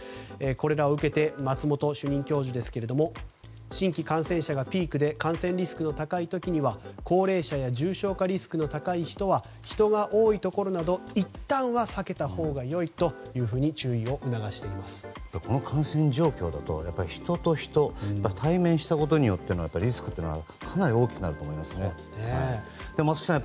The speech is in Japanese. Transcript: これらを受けて松本主任教授ですけれども新規感染者数がピークで感染リスクが高い時は高齢者や重症化リスクが高い人が多いところなどいったんは避けたほうがよいとこの感染状況だと人と人、対面したことによってのリスクはかなり大きくなると思いますね。